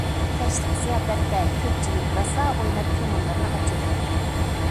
كەچلىك زىياپەتتە كۆپچىلىك راسا ئويناپ كۆڭۈللىرىنى ئاچىدۇ.